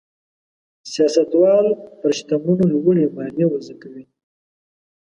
سیاستوال پر شتمنو لوړې مالیې وضع کوي.